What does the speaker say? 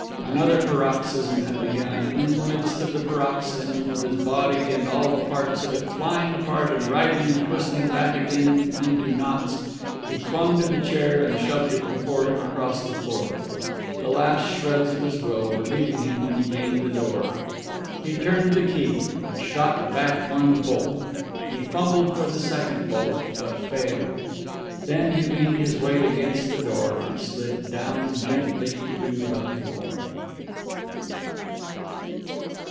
Another paroxysm had begun. And in the midst of the paroxysm, with his body and all the parts of it flying apart and writhing and twisting back again into knots, he clung to the chair and shoved it before him across the floor. The last shreds of his will were leaving him when he gained the door. He turned the key and shot back one bolt. He fumbled for the second bolt, but failed. Then he leaned his weight against the door and slid down gently to the floor.